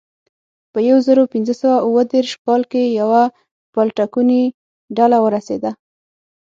په یو زرو پینځه سوه اوه دېرش کال کې یوه پلټونکې ډله ورسېده.